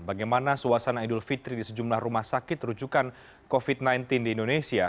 bagaimana suasana idul fitri di sejumlah rumah sakit rujukan covid sembilan belas di indonesia